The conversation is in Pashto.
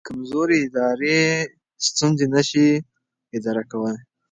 کمزوري ادارې ستونزې نه شي اداره کولی.